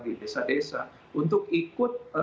di desa desa untuk ikut